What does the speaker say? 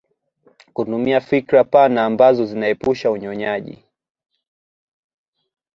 Kutumia fikra pana ambazo zinaepusha unyonyaji